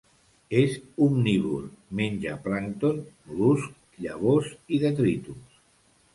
És omnívor: menja plàncton, mol·luscs, llavors i detritus.